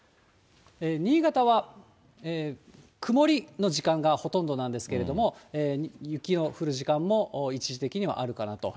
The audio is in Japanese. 新潟は曇りの時間がほとんどなんですけれども、雪の降る時間も一時的にはあるかなと。